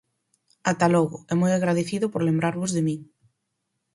–Ata logo, e moi agradecido por lembrarvos de min.